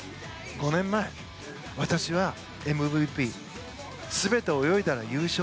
５年前、私はＭＶＰ全て泳いだら優勝。